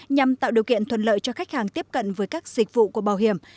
nhằm tạo điều kiện thuận lợi cho khách hàng tiếp cận với các dịch vụ của bảo hiểm